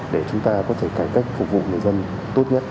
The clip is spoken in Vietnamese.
để chúng ta có thể cải cách phục vụ người dân tốt nhất